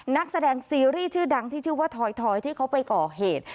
นักแสดงซีรีส์ชื่อดังที่ชื่อว่าทอยที่เขาไปก่อเหตุ